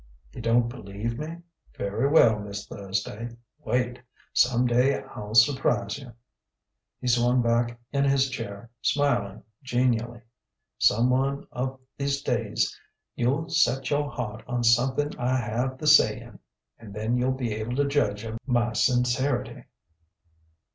"You don't believe me? Very well, Miss Thursday wait! Some day I'll surprise you." He swung back in his chair, smiling genially. "Some one of these days you'll set your heart on something I have the say in and then you'll be able to judge of my sincerity."